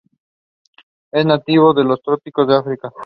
Es nativo de los trópicos de África.